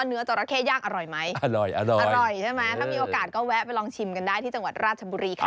เดี๋ยวคุณชนะจะอยู่ตรงนี้เลยไม่ไปไหนด้วย